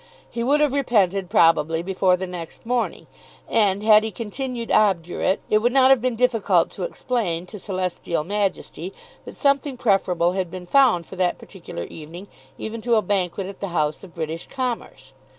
He would have repented probably before the next morning; and had he continued obdurate it would not have been difficult to explain to Celestial Majesty that something preferable had been found for that particular evening even to a banquet at the house of British commerce.